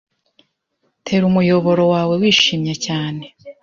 Tera umuyoboro wawe wishimye cyane